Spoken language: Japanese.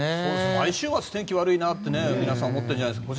毎週末、天気悪いなって皆さん思ってるんじゃないですか。